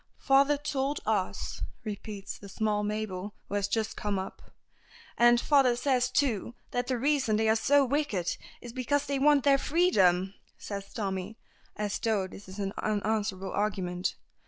"Father told us," repeats the small Mabel, who has just come up. "And father says, too, that the reason that they are so wicked is because they want their freedom!" says Tommy, as though this is an unanswerable argument.